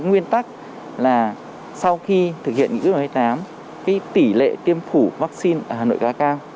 nguyên tắc là sau khi thực hiện kịch bản hai mươi tám tỷ lệ tiêm phủ vaccine ở hà nội ca cao